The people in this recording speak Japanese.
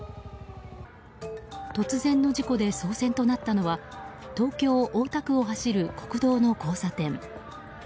突然の事故で騒然となったのは東京・大田区を走る国道の交差点。